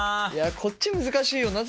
いや、こっち、難しいよ。